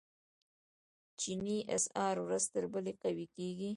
چیني اسعار ورځ تر بلې قوي کیږي.